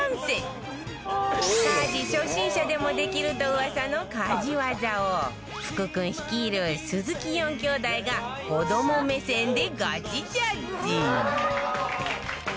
家事初心者でもできるとうわさの家事ワザを福君率いる鈴木４兄弟が子ども目線でガチジャッジ